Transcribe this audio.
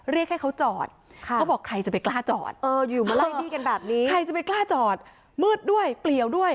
เรียกให้เขาจอดเขาบอกใครจะไปกล้าจอดมืดด้วยเปลี่ยวด้วย